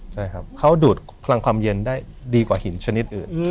ใช่ครับเขาดูดพลังความเย็นได้ดีกว่าหินชนิดอื่น